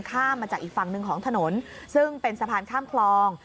ข้ามมาจากอีกฝั่งหนึ่งของถนนซึ่งเป็นสะพานข้ามคลอง